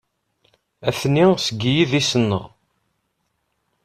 Atni seg yidis-nneɣ.